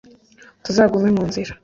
tuzagume mu nzira